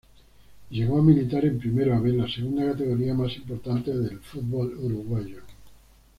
Llegó a militar en Primera "B", la segunda categoría más importante del fútbol uruguayo.